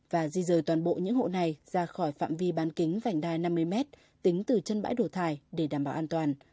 và di rời toàn bộ những hộ này ra khỏi phạm vi bán kính vành đai năm mươi mét tính từ chân bãi đổ thải để đảm bảo an toàn